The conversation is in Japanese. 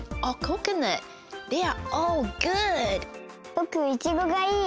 ぼくいちごがいい！